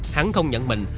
hắn không nhận mình